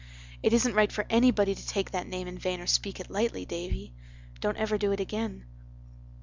"It isn't right for anybody to take that name in vain or speak it lightly, Davy. Don't ever do it again."